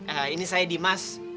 eh ini saya dimas